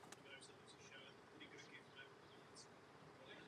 Vidíme, že to nevyšlo.